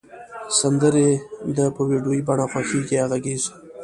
سندری د په ویډیو بڼه خوښیږی یا غږیز